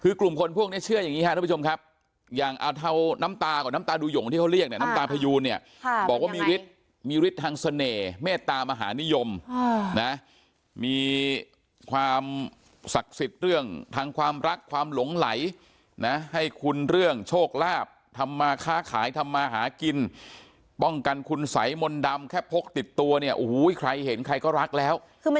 คือกลุ่มคนพวกนี้เชื่ออย่างนี้ครับทุกผู้ชมครับอย่างเอาเทาน้ำตาก่อนน้ำตาดูหย่งที่เขาเรียกเนี่ยน้ำตาพยูนเนี่ยบอกว่ามีฤทธิ์มีฤทธิ์ทางเสน่ห์เมตตามหานิยมนะมีความศักดิ์สิทธิ์เรื่องทางความรักความหลงไหลนะให้คุณเรื่องโชคลาภทำมาค้าขายทำมาหากินป้องกันคุณสัยมนต์ดำแค่พกติดตัวเนี่ยโอ้โหใครเห็นใครก็รักแล้ว